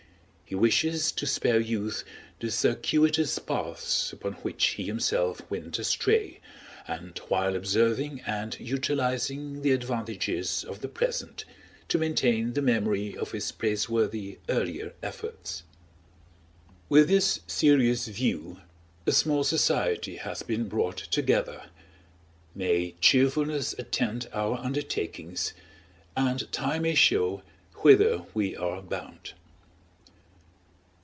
He wishes to spare youth the circuitous paths upon which he himself went astray, and while observing and utilizing the advantages of the present, to maintain the memory of his praiseworthy earlier efforts. With this serious view, a small society has been brought together; may cheerfulness attend our undertakings, and time may show whither we are bound.